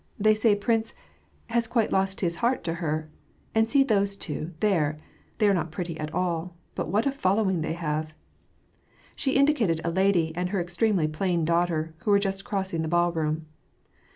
They say Prince has quite lost his heart to her. And see those two, there ! They are not pretty at all, but what a following they have !" She indicated a lady and her extremely plain daughter, who were just crossing the ballroom.